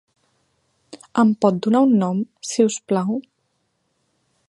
Em pot donar un nom, si us plau?